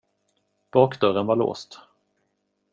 Bakdörren var låst.